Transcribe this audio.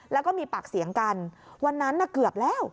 แล้วก็มีปากเสียงกันวันนั้นน่ะเกือบแล้ว